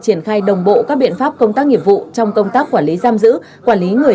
triển khai đồng bộ các biện pháp công tác nghiệp vụ trong công tác quản lý giam giữ quản lý người